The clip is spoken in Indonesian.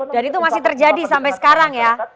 dan itu masih terjadi sampai sekarang ya